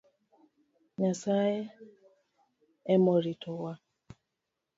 Nyasaye emoritowa.